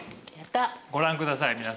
ご覧ください